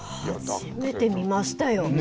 初めて見ましたよ。